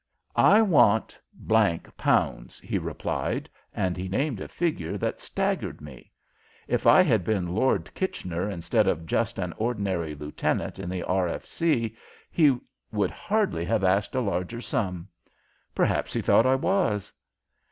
"I want pounds!" he replied, and he named a figure that staggered me. If I had been Lord Kitchener instead of just an ordinary lieutenant in the R. F. C., he would hardly have asked a larger sum. Perhaps he thought I was.